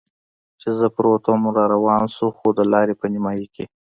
چې زه پروت ووم را روان شو، خو د لارې په نیمایي کې.